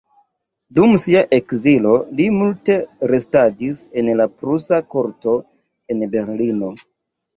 Dum sia ekzilo li multe restadis en la prusa korto en Berlino.